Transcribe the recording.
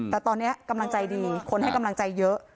แต่ตอนนี้กำลังใจดีคนให้กำลังใจเยอะ